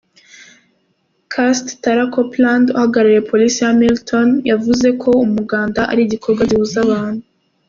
Cst Tara Copeland, uhagarariye Polisi ya Hamilton yavuze ko umuganda ari igikorwa gihuza abantu.